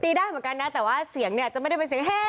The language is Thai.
ได้เหมือนกันนะแต่ว่าเสียงเนี่ยจะไม่ได้เป็นเสียงแห้